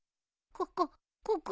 ここ。